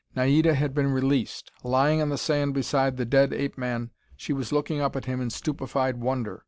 Naida had been released. Lying on the sand beside the dead ape man, she was looking up at him in stupefied wonder.